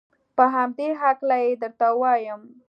په همدې هلکه یې درته وایم.